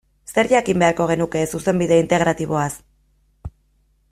Zer jakin beharko genuke Zuzenbide Integratiboaz?